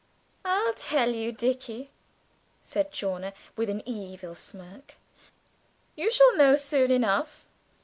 "I'll tell you, Dickie," said Chawner, with an evil smirk. "You shall know soon enough."